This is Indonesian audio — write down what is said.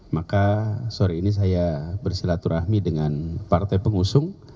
maka sore ini saya bersilaturahmi dengan partai pengusung